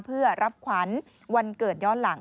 เพื่อรับขวัญวันเกิดย้อนหลัง